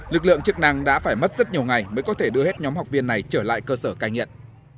lực lượng chức năng đã phải mất rất nhiều ngày mới có thể đưa hết nhóm học viên này trở lại cơ sở cai nghiện